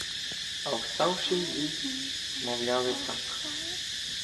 А вставши, їй мовляли так: